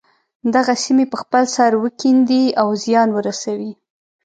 دغه سیمې په خپل سر وکیندي او زیان ورسوي.